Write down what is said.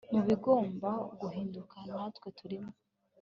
mu bigomba guhinduka natwe turimo